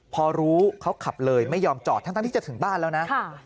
พอรู้เขาขับเลยไม่ยอมจอดทั้งที่จะถึงบ้านแล้วนะ